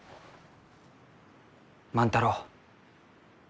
万太郎。